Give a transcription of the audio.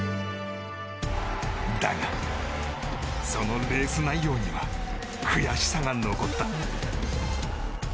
だが、そのレース内容には悔しさが残った。